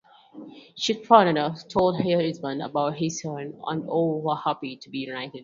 Chitrangada told her husband about his son and all were happy to be reunited.